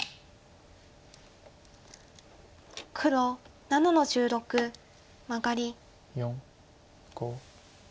黒７の十六マガリ。